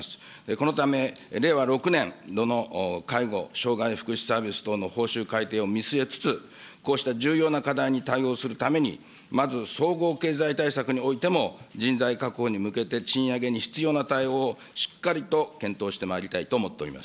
このため令和６年度の介護・障害福祉サービス等の報酬改定を見据えつつ、こうした重要な課題に対応するために、まず総合経済対策においても、人材確保に向けて賃上げに必要な対応をしっかりと検討してまいり